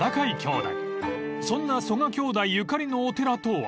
［そんな曽我兄弟ゆかりのお寺とは？］